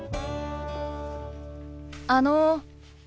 あの。